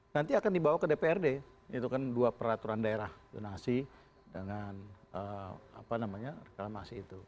nanti akan dibawa ke dprd itu kan dua peraturan daerah donasi dengan reklamasi itu